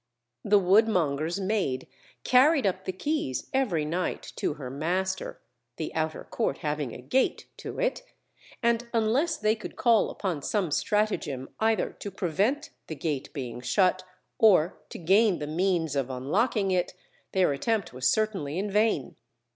The woodmonger's maid carried up the keys every night to her master (the outer court having a gate to it), and unless they could call upon some stratagem either to prevent the gate being shut, or to gain the means of unlocking it, their attempt was certainly in vain.